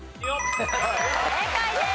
正解です。